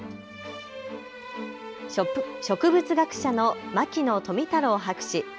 植物学者の牧野富太郎博士。